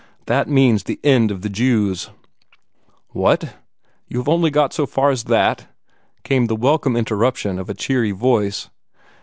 That means the end of the Jews!" "What! have you only got as far as that?" came the welcome interruption of a cheery voice.